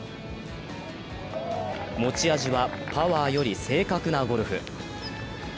持ち味はパワーより正確なゴルフ。